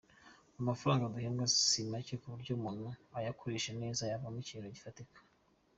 Amafaranga duhembwa si make ku buryo umuntu ayakoresheje neza yavamo ikintu gifatika.